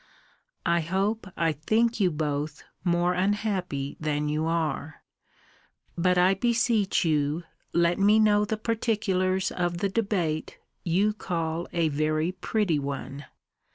I hope I think you both more unhappy than you are. But I beseech you let me know the particulars of the debate you call a very pretty one.